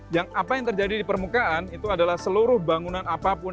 yang apa yang terjadi di permukaan itu adalah seluruh bangunan apapun